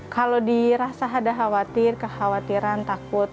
kalau dirasa ada khawatir kekhawatiran takut